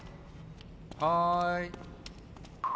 はい！